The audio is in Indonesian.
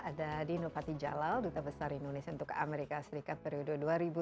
ada dino patijalal duta besar indonesia untuk amerika serikat periode dua ribu sepuluh dua ribu tiga belas